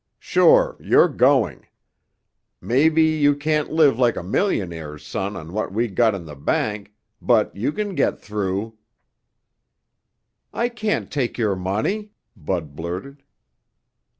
Sure you're going. May be you can't live like a millionaire's son on what we got in the bank, but you can get through." "I can't take your money!" Bud blurted.